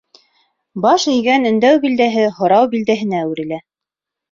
Баш эйгән өндәү билдәһе һорау билдәһенә әүерелә.